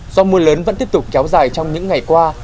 do mưa lớn vẫn tiếp tục kéo dài trong những ngày qua